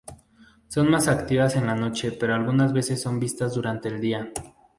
Son más activas en la noche pero algunas veces son vistas durante el día.